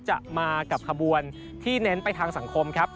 จะมากับขบวนที่เน้นไปทางสังคมครับ